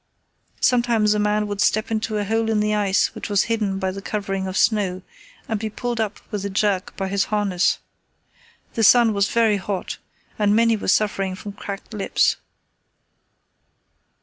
Sometimes a man would step into a hole in the ice which was hidden by the covering of snow, and be pulled up with a jerk by his harness. The sun was very hot and many were suffering from cracked lips.